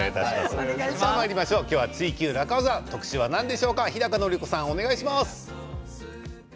今日は「ツイＱ楽ワザ」特集は何でしょうか日高のり子さん、お願いします。